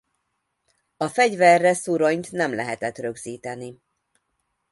A fegyverre szuronyt nem lehetett rögzíteni.